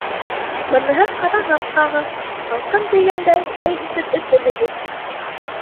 — Быныһы ҡарағат ҡағы, һалҡын тейгәндә, сәй итеп эсерһегеҙ.